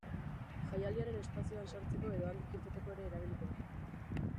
Jaialdiaren espazioan sartzeko edo handik irteteko ere erabiliko da.